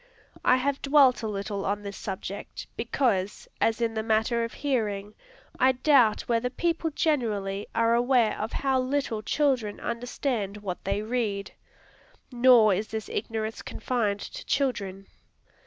I have dwelt a little on this subject, because, as in the matter of hearing, I doubt whether people generally are aware how little children understand what they read. Nor is this ignorance confined to children.